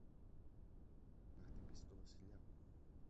να χτυπήσει το Βασιλιά.